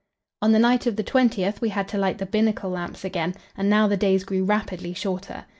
On the night of the 20th we had to light the binnacle lamps again, and now the days grew rapidly shorter.